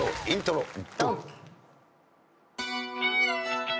イントロ。